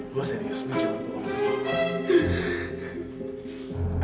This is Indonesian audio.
gua serius jangan bohong sama gua